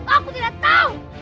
aku tidak tahu